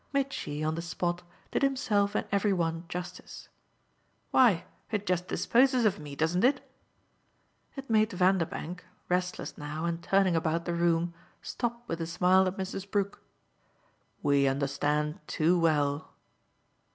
Mitchy, on the spot, did himself and every one justice. "Why it just disposes of me, doesn't it?" It made Vanderbank, restless now and turning about the room, stop with a smile at Mrs. Brook. "We understand too well!"